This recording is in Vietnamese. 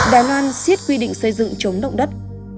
đài loan siết quy định xây dựng chống động đất